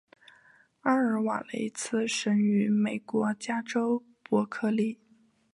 阿尔瓦雷茨生于美国加州伯克利。